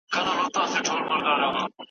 که خویندې لارښودې وي نو لاره به نه غلطېږي.